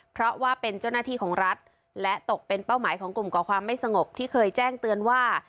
เพราะว่าเป็นเจ้าหน้าที่ของรัฐและตกเป็นเป้าหมายของกลุ่มก่อความไม่สงบที่เคยแจ้งเตือนว่า